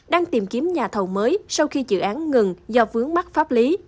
đang tìm kiếm nhà thầu mới sau khi dự án ngừng do vướng mắc pháp lý